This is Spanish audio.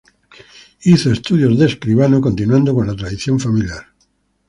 Hizo estudios de escribano, continuando con la tradición familiar.